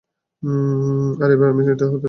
আর এবার আমি এটা হতে দেব না।